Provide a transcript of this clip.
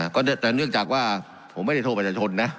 ก็แต่เนื่องจากว่าผมไม่ได้โทษประชาชนนะ